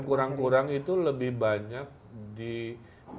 yang kurang kurang itu lebih banyak di level yang ada di desa